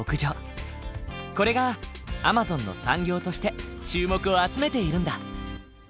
これがアマゾンの産業として注目を集めているんだ。